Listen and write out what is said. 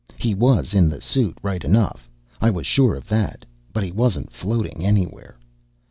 He was in the suit, right enough, I was sure of that, but he wasn't floating anywhere.